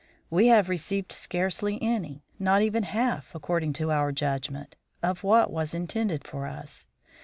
We have received scarcely any, not even half, according to our judgment, of what was intended for us.